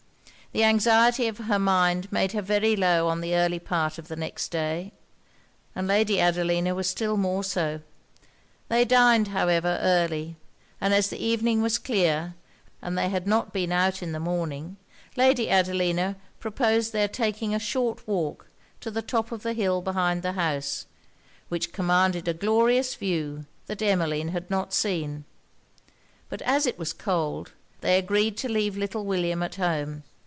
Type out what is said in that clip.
The anxiety of her mind made her very low on the early part of the next day; and Lady Adelina was still more so. They dined, however, early; and as the evening was clear, and they had not been out in the morning, Lady Adelina proposed their taking a short walk to the top of the hill behind the house, which commanded a glorious view that Emmeline had not seen; but as it was cold, they agreed to leave little William at home.